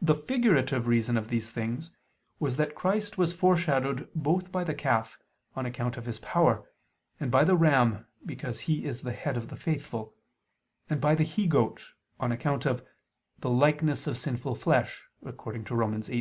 The figurative reason of these things was that Christ was foreshadowed both by the calf, on account of His power; and by the ram, because He is the Head of the faithful; and by the he goat, on account of "the likeness of sinful flesh" (Rom. 8:3).